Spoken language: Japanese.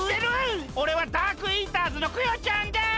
おれはダークイーターズのクヨちゃんです！